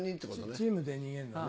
チームで逃げるのね。